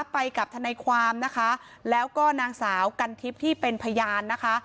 ไปกับทนายความนะคะแล้วก็นางสาวกันทิพย์ที่เป็นพยานนะคะ